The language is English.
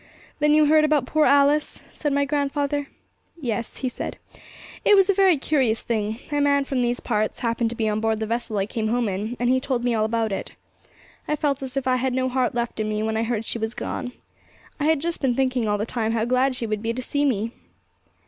'Then you heard about poor Alice?' said my grandfather. 'Yes,' he said; 'it was a very curious thing. A man from these parts happened to be on board the vessel I came home in, and he told me all about it. I felt as if I had no heart left in me, when I heard she was gone. I had just been thinking all the time how glad she would be to see me.'